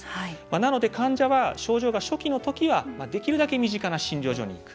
なので、患者は症状が初期の時はできるだけ身近な診療所に行く。